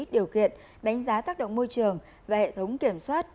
điều kiện đánh giá tác động môi trường và hệ thống kiểm soát